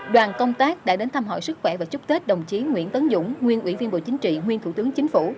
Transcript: đoàn công tác đã đến thăm hỏi sức khỏe và chúc tết đồng chí nguyễn tấn dũng nguyên ủy viên bộ chính trị nguyên thủ tướng chính phủ